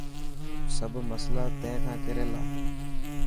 سب مصلا تين کان ڪير يلا.